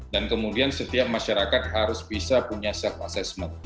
kemudian setiap masyarakat harus bisa punya self assessment